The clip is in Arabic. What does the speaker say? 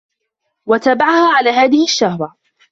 وَتَابَعَهَا عَلَى هَذِهِ الشَّهْوَةِ